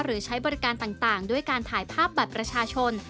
ใช้บริการต่างด้วยการถ่ายภาพบัตรประชาชน